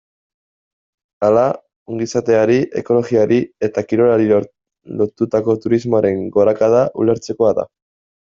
Hala, ongizateari, ekologiari eta kirolari lotutako turismoaren gorakada ulertzekoa da.